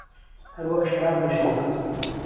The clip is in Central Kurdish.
ههر وهک شهراب له شێخان